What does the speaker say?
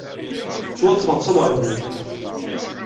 Ttwaṭṭfeɣ d tamerhunt.